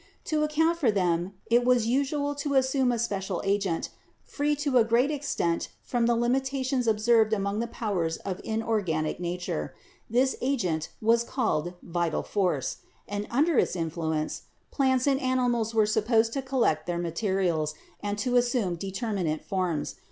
To account for them it was usual to assume a special agent, free to a great extent from the limitations observed among the powers of inor ganic nature. This agent was called vital force ; and, under its influence, plants and animals were supposed to collect their materials and to assume determinate forms.